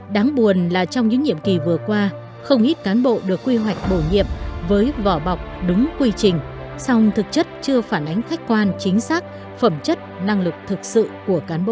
đáng buồn là trong những nhiệm kỳ vừa qua không ít cán bộ được quy hoạch bổ nhiệm với vỏ bọc đúng quy trình song thực chất chưa phản ánh khách quan chính xác phẩm chất năng lực thực sự của cán bộ